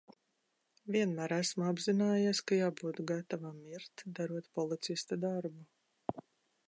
Vienmēr esmu apzinājies, ka jābūt gatavam mirt, darot policista darbu.